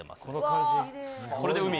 この感じで。